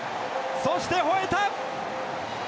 そしてほえた！